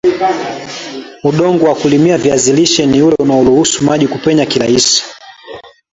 udongo wa kulimia viazi lishe ni ule unaoruhusu maji kupenya kirahisi